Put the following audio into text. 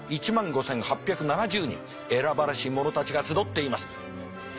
選ばれし者たちが集っています。